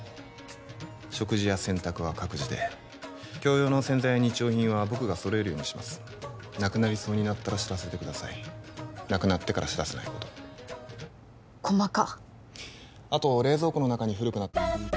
食事や洗濯は各自で共用の洗剤や日用品は僕が揃えるようにしますなくなりそうになったら知らせてくださいなくなってから知らせないこと細か